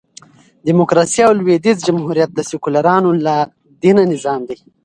ډيموکراسي او لوېدیځ جمهوریت د سیکولرانو لا دینه نظام دئ.